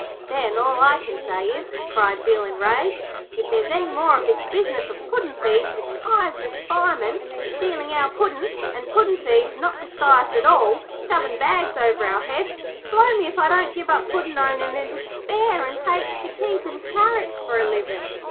'Then, all I can say is,' cried Bill, enraged, 'if there's any more of this business of puddin' thieves, disguised as firemen, stealing our Puddin', and puddin' thieves, not disguised at all, shovin' bags over our heads, blow me if I don't give up Puddin' owning in despair and take to keepin' carrots for a livin'.'